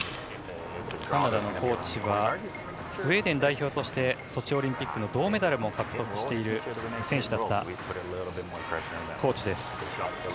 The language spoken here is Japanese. カナダのコーチはスウェーデン代表としてソチオリンピックの銅メダルも獲得している選手だったコーチです。